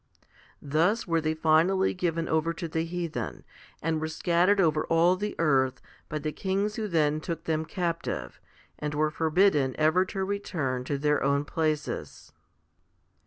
2 Thus were they finally given over to the heathen, and were scattered over all the earth by the kings who then took them captive, and were forbidden ever to return to their own places.